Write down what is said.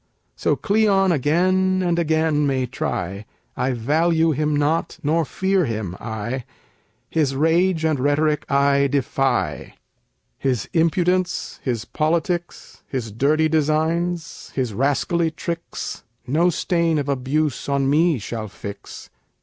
So Cleon again and again may try; I value him not, nor fear him, I! His rage and rhetoric I defy. His impudence, his politics, His dirty designs, his rascally tricks, No stain of abuse on me shall fix.